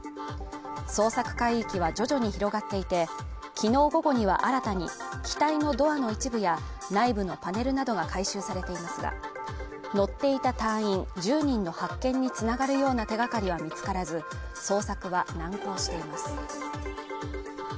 捜索海域は徐々に広がっていて、きのう午後には新たに機体のドアの一部や内部のパネルなどが回収されていますが、乗っていた隊員１０人の発見に繋がるような手がかりは見つからず、捜索は難航しています。